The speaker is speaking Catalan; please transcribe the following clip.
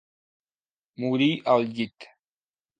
Morir al llit.